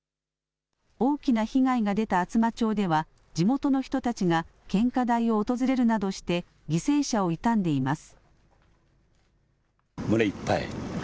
大きな被害が出た厚真町では、地元の人たちが献花台を訪れるなどして、犠牲者を悼んでいます。